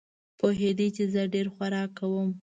پوهېده چې زه ډېر خوراک کوم.